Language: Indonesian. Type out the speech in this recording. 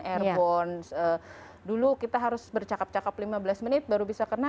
airbone dulu kita harus bercakap cakap lima belas menit baru bisa kena